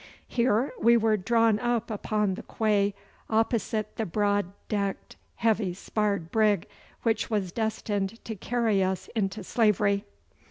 Here we were drawn up upon the quay opposite the broad decked, heavy sparred brig which was destined to carry us into slavery.